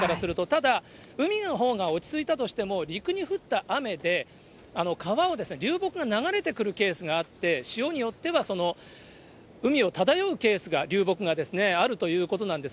ただ、海のほうが落ち着いたとしても、陸に降った雨で、川を流木が流れてくるケースがあって、潮によっては、海を漂うケースが、流木がですね、あるそうなんです。